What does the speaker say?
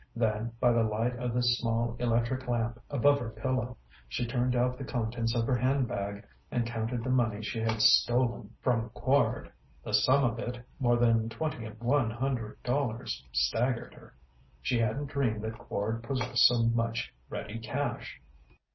Then, by the light of the small electric lamp above her pillow, she turned out the contents of her handbag and counted the money she had stolen from Quard. The sum of it, more than twenty one hundred dollars, staggered her. She hadn't dreamed that Quard possessed so much ready cash.